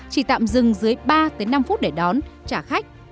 chỉ tạm dừng dưới ba năm phút để đón trả khách